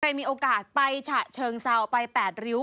ใครมีโอกาสไปฉะเชิงเสาไปแปดริ้ว